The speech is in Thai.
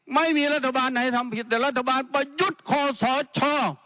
ไม่มีรัฐบาลไหนทำผิดแต่รัฐบาลประยุทธ์คอสช